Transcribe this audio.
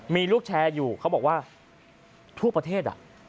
มีลูกแชร์อยู่เขาบอกว่าทั่วประเทศ